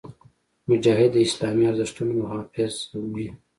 مجاهد د اسلامي ارزښتونو محافظ وي.